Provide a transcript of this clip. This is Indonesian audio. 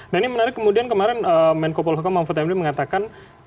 dan ini menarik kemudian kemarin menko polhokam mahfud emri mengatakan